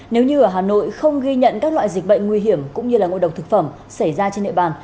nếu như ở hà nội không ghi nhận các loại dịch bệnh nguy hiểm cũng như ngộ độc thực phẩm xảy ra trên địa bàn